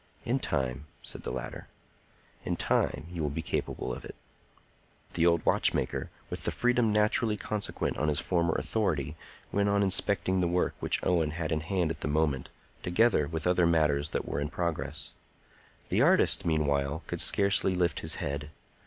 "In time," said the latter,—"In time, you will be capable of it." The old watchmaker, with the freedom naturally consequent on his former authority, went on inspecting the work which Owen had in hand at the moment, together with other matters that were in progress. The artist, meanwhile, could scarcely lift his head.